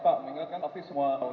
pak mengingatkan pasti semua